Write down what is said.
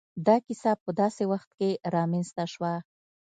دا کيسه په داسې وخت کې را منځ ته شوه.